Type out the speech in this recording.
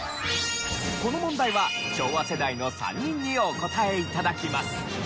この問題は昭和世代の３人にお答え頂きます。